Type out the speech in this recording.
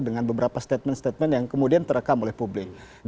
dengan beberapa statement statement yang kemudian terekam oleh publik